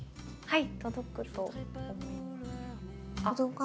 はい。